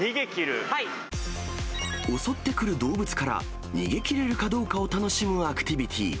襲ってくる動物から逃げきれるかどうかを楽しむアクティビティー。